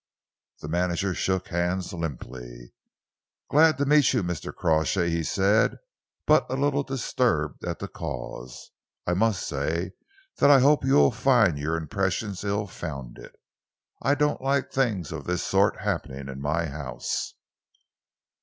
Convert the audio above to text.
The manager shook hands limply. "Glad to meet you, Mr. Crawshay," he said, "but a little disturbed at the cause. I must say that I hope you will find your impressions ill founded. I don't like things of this sort happening in my house."